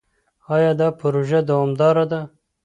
ایا دا پروژه دوامداره ده؟